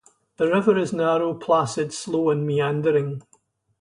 The river is narrow, placid, slow and meandering.